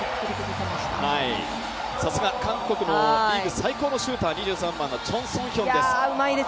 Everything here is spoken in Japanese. さすが、韓国の最高のシューター、チョン・ソンヒョンです。